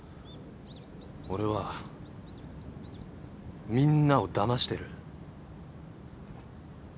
俺はみんなをだましてる。